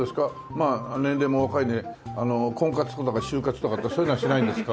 まあ年齢も若いんで婚活とか就活とかってそういうのはしないんですか？